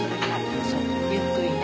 ゆっくりね。